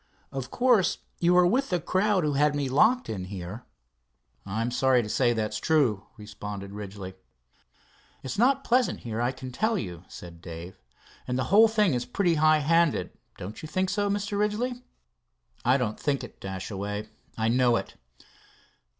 "Of course you are with the crowd who had me locked in here." "I'm sorry to say that's true," responded Ridgely. "It's not pleasant here, I can tell you," said Dave, "and the whole thing is pretty high handed, don't you think so, Mr. Ridgely?" "I don't think it, Dashaway, I know, it.